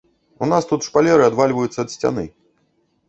У нас тут шпалеры адвальваюцца ад сцяны.